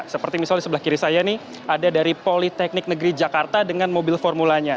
seperti misalnya di sebelah kiri saya nih ada dari politeknik negeri jakarta dengan mobil formulanya